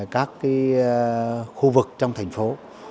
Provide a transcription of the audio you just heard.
các khu vực trong thành phố